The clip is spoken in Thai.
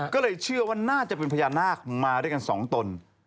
ก็เลยเชื่อว่าน่าจะเป็นพญานาคมาด้วยกันสองตน